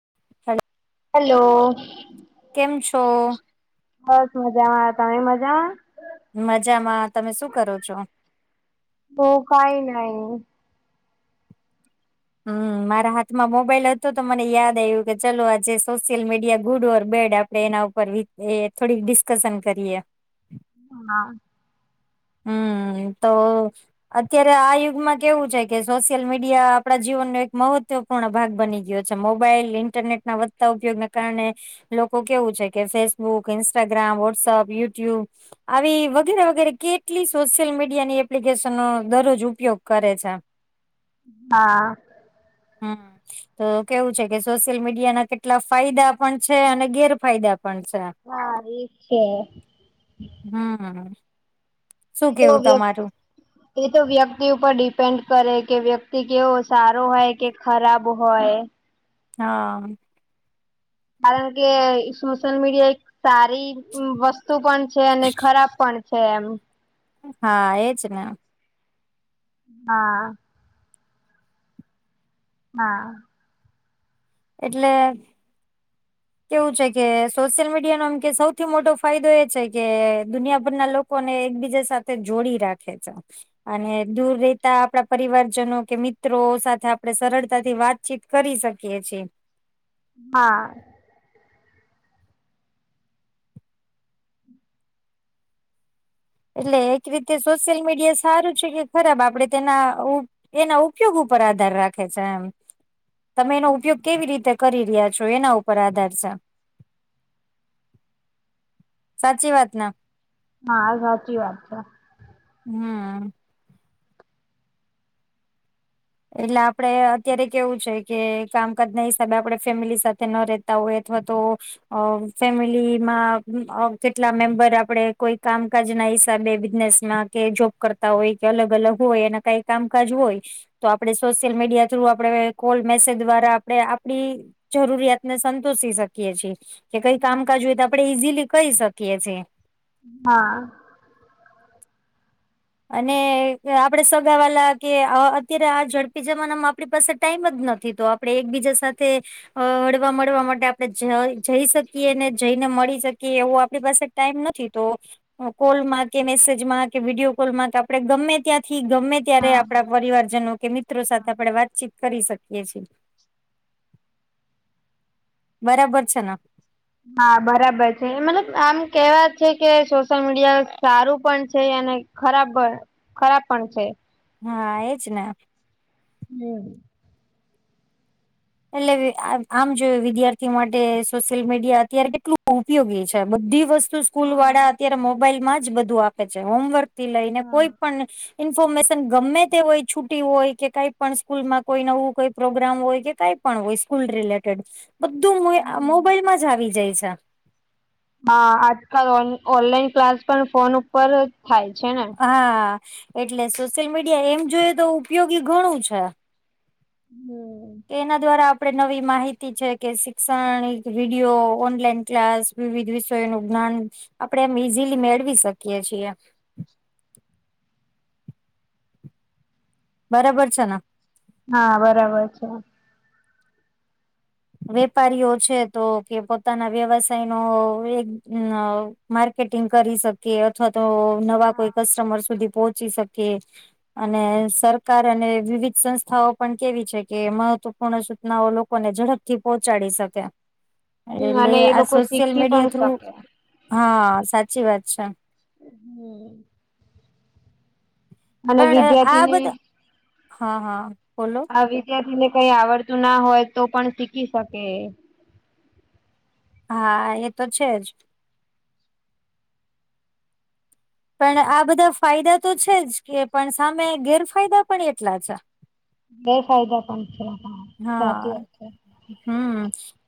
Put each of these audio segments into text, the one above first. [unintelligible] Hello કેમ છો? બસ મજામાં તમે મજામાં? મજામાં તમે શું કરો છો? હું કાંઈ નઈ હમ મારા હાથમાં મોબાઈલ હતો તો મને યાદ આવ્યું કે ચલો આજે social media good or bad આપ પડે એના ઉપર એ થોડીક ડિસ્કશન કરીએ હા હમ તો અત્યારે આ યુગમાં કેવું છે કે સોશિયલ મીડિયા પડા જીવનનો એક મહત્વપૂર્ણ ભાગ બની ગયો છે મોબાઈલ ઇન્ટરનેટના વધતા ઉપયોગના કારણે લોકો કેવું છે કે ફેસબુક ઇન્સ્ટાગ્રામ વોટ્સઅપ યુટ્યુબ આવી વગેરે વગેરે કેટલી સોશિયલ મીડિયાની એપ્લિકેશનનો દરરોજ ઉપયોગ કરે છે હા હમ તો કેવું છે કે સોશિયલ મીડિયા ના કેટલા ફાયદા પણ છે અને ગેરફાયદા પણ છે હા એજ છે હમ શું [unintelligible] તો કેવું વ્યક્ત તમારું એ તો વ્યક્તિ ઉપર ડિપેન્ડ કરે કે વ્યક્તિ કેવો સારો હોય કે ખરાબ હોય હા કારણ કે સોશિયલ મીડિયા એક સારી વસ્તુ પણ છે અને ખરાબ પણ છે એમ હા એજ ને હા હા એટલે કેવું છે કે સોશિયલ મીડિયા નો આમ કે સૌથી મોટો ફાયદો એ છે કે દુનિયાભરના લો કોને એકબીજા સાથે જોડી રાખે છે. અને દૂર રેતા આપડા પરિવારજનો કે મિત્રો સાથે આપડે સરળતાથી વાતચીત કરી શકીએ છે હા એટલે એક રીતે સોશિયલ મીડિયા સારું છે, કે ખરાબ આપડે તેના ઉ એના ઉપયોગ ઉપર આધાર રાખે છે એમ તમે એનો ઉપયોગ કેવી રીતે કરી રહ્યા છો એના ઉપર આધાર છે. સાચી વાત ને હા સાચી વાત છે. હમ એટલે આપડે અત્યારે કેવું છે કે કામકાજ ના હિસાબે આપડે ફેમિલી સાથે ન રે તા હોય અથવા તો અ ફેમિલીમાં કેટલા મેમ્બર આપડે કોઈ કામકાજ ના હિસાબે બિઝનેસ માં કે જોબ કરતા હોય કે અલગ અલગ હોય એના કઈ કામકાજ હોય તો આપડણે સોશિયલ મીડિયા થ્રુ આપડે કોલ મેસેજ દ્વારા પડે આપડી જરૂરિયાત ને સંતોષી શકીએ છીએ. કે કઈ કામકાજ હોય તો આપડે ઈઝીલી કહી શકીએ છે હા અને આપડે સગાવાલા કે અત્યારે આ ઝડપી જમાનામાં આપડી પાસે ટાઈમ જ નથી તો પડે એકબીજા સાથે અ હળવા મળવા માટે આપણે જય જઈ શકીએ ને જઈને મળી શકીએ એવું આપણી પાસે ટાઈમ નથી તો કોલમાં કે મેસેજમાં કે વિડીયો કોલમાં આપણે ગમે ત્યાંથી ગમે ત્યારે હા આપણા પરિવારજનો કે મિત્ર મિત્રો હા સાથે આપડે વાતચીત કરી શકીએ છીએ. બરાબર છે ન હા બરાબર છે મતલબ આમ કેવા છે કે સોશિયલ મીડિયા સારું પણ છે અને ખરાબ ખરાબ પણ છે. હા એજ ને હમ એટલે આમ જોયું વિદ્યાર્થી માટે સોશિયલ મીડિયા અત્યારે કેટલું ઉપયોગી છે બધી વસ્તુ હા સ્કૂલવાળા અત્યારે મોબાઈલમાં જ બધું આપે છે, હોમવર્ક થી લઈને હા કોઈ પણ ઇન્ફોર્મેશન ગમે તે હોય છુટી હોય કે કઈ પણ સ્કૂલમાં કોઈ નવું કોઈ પ્રોગ્રામ હોય કે કઈક પણ હોય સ્કૂલ રિલેટેડ બધું હમ. મોબાઈલમાં જ આવી જાય છે. હા આજકાલ ઓનલાઈન ક્લાસ પણ ફોન ઉપર થાય છે ને હા એટલે સોશિયલ મીડિયા એમ જોઈએ તો ઉપયોગી ઘણું છે. [unintelligible] કે એના દ્વારા આપે નવી માહિતી છે કે શિક્ષણ વિડીયો ઓનલાઈન ક્લાસ વિવિધ વિષયોનું જ્ઞાન આપડણે એમ ઈઝીલી મેળવી શકીએ છીએ બરાબર છે ન. હા બરાબર છે. વેપારીઓ છે તો કે પોતાના વ્યવસાય નો એક માર્કેટિંગ કરી શકે અથવા તો નવા કોઈ કસ્ટમર સુધી પહોંચી શકે અને સરકાર અને વિવિધ સંસ્થાઓ પણ કેવી છે કે મહત્વપૂર્ણ સૂચનાઓ લોકોને ઝડપ થી પહોંચાડી શક્યા એટલે અને એ આ લોકો સોશિયલ શીખી પણ મીડિયા થ્રુ શકે. હા સાચી વાત છે. હમ. અને પણ આ વિદ્યાર્થીને બધા હા હા બોલો આ વિદ્યાર્થીને કઈ આવડતું ના હોય તો પણ શીખી શકે. હા એ તો છે જ પણ આ બધા ફાયદા તો છે જ કે પણ સામે ગેરફાયદા પણ એટલા છે. ગેરફાયદા પણ છે. સાચી વાત હા છે. હમ.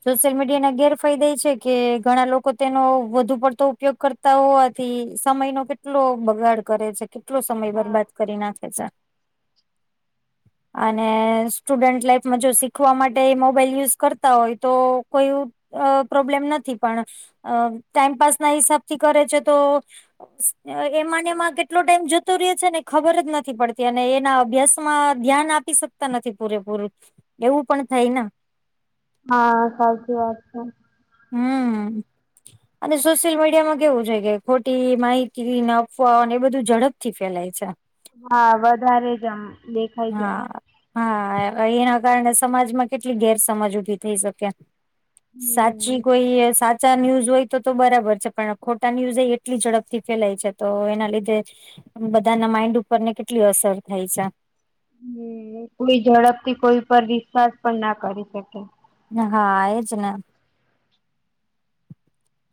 સોશિયલ મીડિયા ના ગેરફાયદા એ છે કે ઘણા લોકો તેનો વધુ પડતો ઉપયોગ કરતા ઓ આથી સમયનો કેટલો બગાડ કરે છે કેટલો સમય બરબાદ કરી નાખે છે. અને સ્ટુડન્ટ લાઇફ જો શીખવા માટે મોબાઈલ યુઝ કરતા હોય તો કોઈ અ પ્રોબ્લેમ નથી પણ અ ટાઈમપાસના હિસાબથી કરે છે તો એમાંને એમાં કેટલો ટાઈમ જતો રહ્યો છે ને ખબર જ નથી પડતી અને એના અભ્યાસ મા ધ્યાન આપી શકતા નથી પૂરેપૂરું એવું પણ થાય ન હા સાચી વાત છે. હમ. અને સોશિયલ મીડિયામાં કેવું છે કે ખોટી માહિતી ન અફવા બધું ઝડપ થી ફેલાય છે. હા વધારે જ આમ દેખાઈ જાય. હા હા એના કારણે સમાજમાં કેટલી ગેરસમજ ઉભી થઈ શકે. હમ. પછી કોઈ સાચા ન્યુઝ હોય. તો બરાબર છે પણ ખોટા ન્યુઝ એટલી ઝડપથી ફેલાય છે તો એના લીધે બધાના માઈન્ડ ઉપર ને કેટલી અસર થાય છે. હમ એડી ઝડપથી કોઈ પર વિશ્વાસ પણ ના કરી શકે હા એજ ને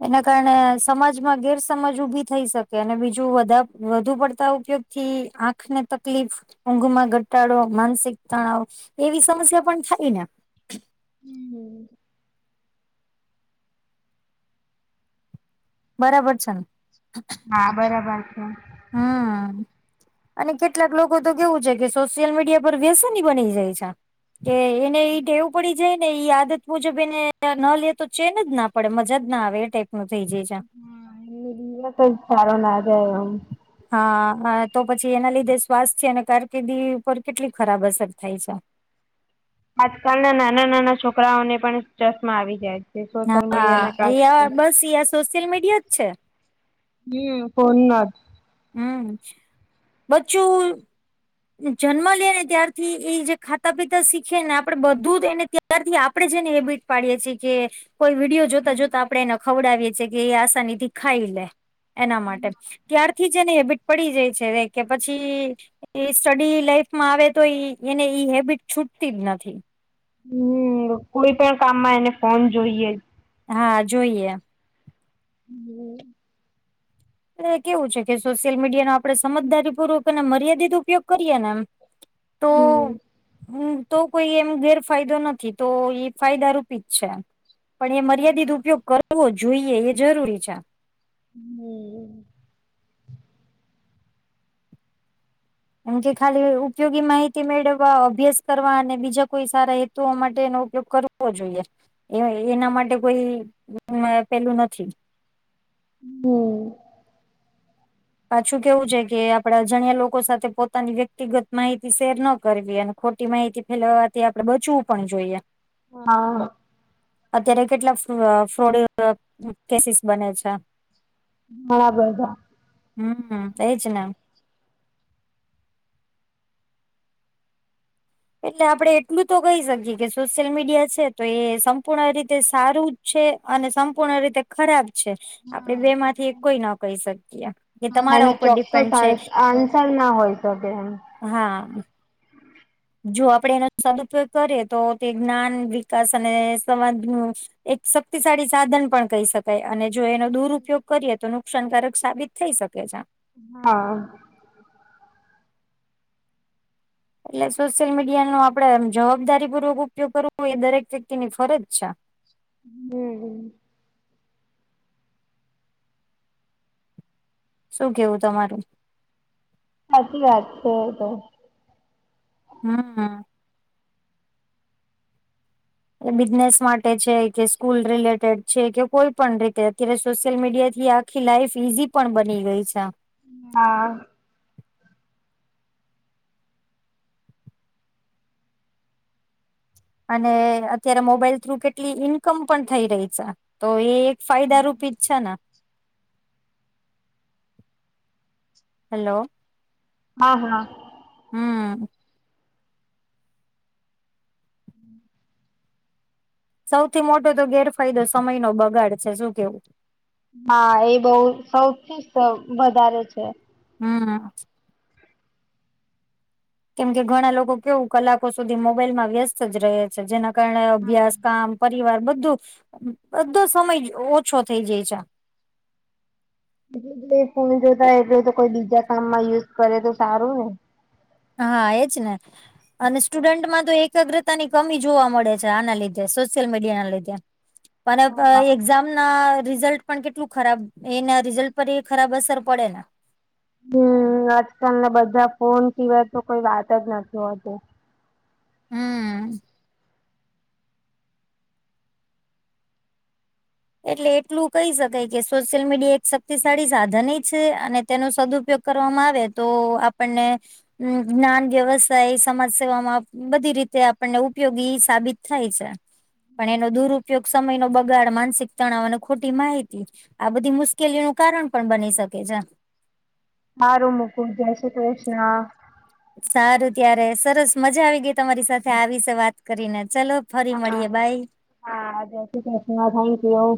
એના કારણે સમાજમાં ગેરસમાજ ઉભી થઈ શકે અને બીજું વધુ પડતા ઉપયોગ થી આંખને તકલીફ ઊંઘ માં ઘટાડો માનસિક તણાવ એવી સમસ્યા પણ થાય ને હમ. બરાબર છેને હા બરાબર છે હમ. અને કેટલાક લોકો તો કેવું છે કે સોશિયલ મીડિયા પર વ્યસની બની જાય છે. કે એને ઈ થેવું પડી જાય ને આદત મુજબ એને ન લે તો ચેન જ ના પડે મજાજ ના આવે એ ટાઈપ નું થઈ જાય છે. મી તો સારો ના જાય એ એમ. હા તો પછી એના લીધે સ્વાસ્થ્ય અને કારકિર્દી પર કેટલી ખરાબ અસર થાય છે. આજકાલ ના નાના નાના છોકરાઓને પણ ચશ્મા આવી જાય છે સોશિયલ મીડિયા ના હા કારણે. હા બસ સોશિયલ મીડિયા જ છે. હમ કોનના હમ બચ્ચું. જન્મ લે ને ત્યારથી એ જે ખાતા પીતા શીખે ને આપડે બધું જ એને ત્યારથી આપડણે જેને હેબિટ પાડીએ છીએ કે કોઈ વિડીિયો જોતા જોતા આપડે એને ખવડાવીએ છીએ કે એ આસાની થી ખાઈ લે એના માટે ત્યારથી જ એને હેબિટ પડી જાય છે કે પછી. એ સ્ટડી લાઈફ માં આવે તો એને ઈ હેબિટ છૂટતી જ નથી. હમ કોઈ પણ કામમાં એને ફોન જોઈએ જ હા જોઈએ હમ કેવું છે કે સોશિયલ મીડિયા નો આપડે સમજદારી પૂર્વક અને મર્યાદિત ઉપયોગ કરીએ ને એમ તો હમ હમ તો કોઈ એમ ગેરફાયદો નથી તો એ ફાયદાારૂપિત છે. પણ એ મર્યાદિત ઉપયોગ કરવો જોઈએ એ જરૂરી છે. હમ એમ કે ખાલી ઉપયોગી માહિતી મેળવવા અભ્યાસ કરવા અને બીજા કોઈ સારા હેતુઓ માટેનો ઉપયોગ કરો. જોઈએ એ એના માટે કોઈ પેલું નથી હમ પાછું કેવું છે કે આપડાે અજાણ્યા લોકો સાથે પોતાની વ્યક્તિગત માહિતી શેર ન કરવી અને ખોટી માહિતી ફેલાવવાથી આપડે બચવું પણ જોઈએ હ હ. અત્યારે કેટલા ફ્રોડ કેસીસ બને છે. બરાબરા. હમ થઈ છે ના. એટલે આપડણે એટલું તો કહી શકીએ કે સોશિયલ મીડિયા છે તો એ સંપૂર્ણ રીતે સારું છે અને સંપૂર્ણ રીતે ખરાબ છે આપડે બે માંથી કોઈ ન કહી શકીએ કે તમારા એનો ઉપર ચોક્કસ ડિપેન્ડ છે આન્સર ના હોય શકે એમ હા. જો આપડે એનો સદુપયોગ કરીએ તો તે જ્ઞાન વિકાસ અને સમાજ ન એક શક્તિશાળી સાધન પણ કહી શકાય અને જો એનો દુરપયોગ કરીએ તો નુકસાનકારક સાબિત થઈ શકે છે આ. હા. એટલે સોશિયલ મીડિયા નો આપડેમ જવાબદારી પૂર્વક ઉપયોગ કરવો એ દરેક વ્યક્તિ ની ફરજ છે. હમ. શું કેવું તમારું. સાચી વાત છે તો હા. બિઝનેસ માટે છે કે સ્કૂલ રિલેટેડ છે કે કોઈ પણ રીતે અત્યારે સોશિયલ મીડિયાથી આ આખી લાઈફ ઈઝી પણ બની ગઈ છે. હા. અને અત્યારે મોબાઈલ થ્રુ કેટલી ઈન્કમ પણ થઈ રહી છે તો એ ફાયદારૂપી છે ને. હેલો. હા હા. હમ. [unintelligible] સૌથી મોટો તો ગેરફાયદો સમયનો બગાડ છે શું કેવું હા એ બહ સૌથી વધારે છે. હમ. કેમ કે ઘણા લોકો કેવું કલાકો સુધી મોબાઈલમાં વ્યસ્ત જ રહે. જેના કારણે અભ્યાસ કામ પરીવાર બધું બધો સમય ઓછો થઇ જાય છે. એ જો એ ફોન જોતા એટલે તો કોઈ બીજા કામમાં યુઝ કરે તો સારું ને હા એજ ને અને સ્ટુડન્ટમાં તો એક એકાગ્રતાની કમી જોવા મળે છે આના લીધે સોશિયલ મીડિયાના લીધે પણ એક્ઝામના રિઝલ્ટ પણ કેટલું ખરાબ એના રિઝલ્ટ પર એ ખરાબ અસર પડે. હમ આજકાલના બધા ફોન સિવાય તો કોઈ વાત જ નથી હોતી. હમ. એટલે એટલું કહી શકાય કે સોશિયલ મીડિયા એક શક્તિશાળી સાધન છે અને તેનો સદુપયોગ કરવામાં આવે તો આપણને જ્ઞાન વ્યવસાય સમાજ સેવાવામાં બધી રીતે આપણને ઉપયોગી સાબિત થાય છે. પણ એનો દુરુપયોગ સમયનો બગાડ માનસિક તણાવ અને ખોટી માહિતી આ બધી મુશ્કેલીઓનું કારણ પણ બની શકે છે. હારુ મૂકું જય શ્રી કૃષ્ણ. સારું ત્યારે સરસ મજા આવી ગઈ તમારી સાથે આવી છે વાત કરીને ચાલો ફરી હા મળીએે બાય. હા જય શ્રી કૃષ્ણ થેન્ક યુ.